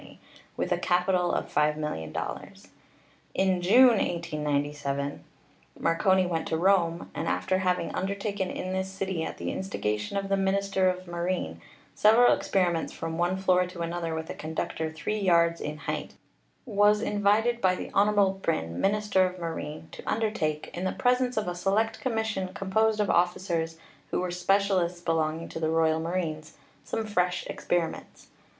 with a capital of $5,000,000. In June, 1897, Marconi went to Rome, and after having undertaken in this city, at the instigation of the Minister of Marine, several experiments from one floor to another with a conductor three yards in height, was invited by the Hon. Brin, Minister of Marine, to undertake, in the presence of a select commission com WIRELESS TELEGRAPHY 319 posed of officers who were specialists belonging to the royal marines, some fresh experiments.